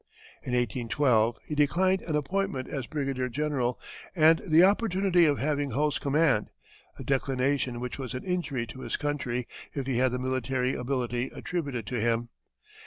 In 1812 he declined an appointment as brigadier general, and the opportunity of having Hull's command a declination which was an injury to his country if he had the military ability attributed to him.